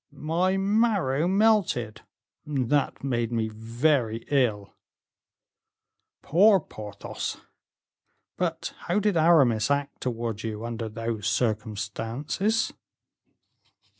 "My marrow melted, and that made me very ill." "Poor Porthos! But how did Aramis act towards you under those circumstances?"